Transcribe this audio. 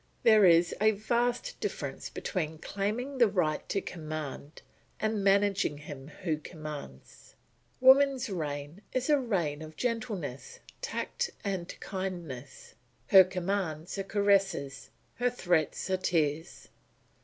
There is a vast difference between claiming the right to command, and managing him who commands. Woman's reign is a reign of gentleness, tact, and kindness; her commands are caresses, her threats are tears.